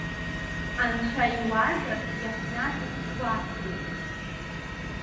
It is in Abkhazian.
Анцәа иуазар, иаҳнаҭап сгәахәуеит!